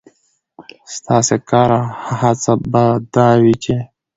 ستاسې کار او هڅه به دا وي، چې